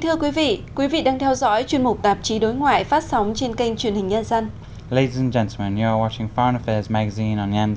thưa quý vị quý vị đang theo dõi chuyên mục tạp chí đối ngoại phát sóng trên kênh truyền hình nhân dân